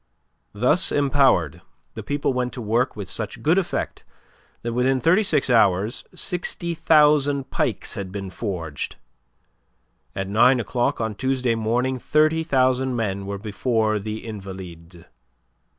Thus empowered the people went to work with such good effect that within thirty six hours sixty thousand pikes had been forged. At nine o'clock on Tuesday morning thirty thousand men were before the Invalides.